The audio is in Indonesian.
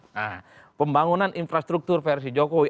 nah pembangunan infrastruktur versi jokowi